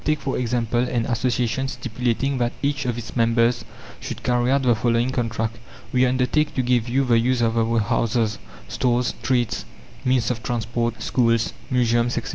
Take, for example, an association stipulating that each of its members should carry out the following contract: "We undertake to give you the use of our houses, stores, streets, means of transport, schools, museums, etc.